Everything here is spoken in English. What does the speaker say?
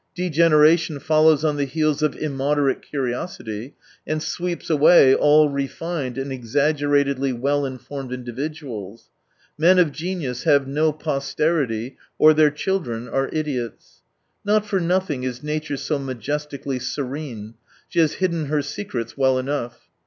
Degeneration follows on the heels of immoderate curiosity, and sweeps away all refined and exaggerately well informed individuals. Men of genius have no posterity — or their children are idiots. Not for nothing is nature so majestically serene : she has hidden her secrets well enough.